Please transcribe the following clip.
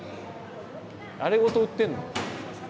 あれごと売ってるの？